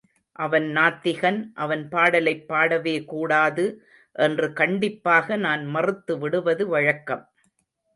அவன் நாத்திகன் அவன் பாடலைப் பாடவே கூடாது என்று கண்டிப்பாக நான் மறுத்து விடுவது வழக்கம்.